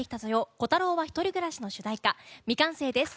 コタローは１人暮らし」の主題歌「未完成」です。